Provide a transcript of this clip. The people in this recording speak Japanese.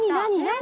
何？